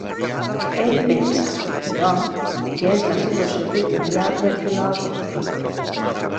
Ell pensa, però, que és la situació peculiar del filòsof.